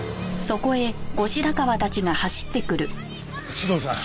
須藤さん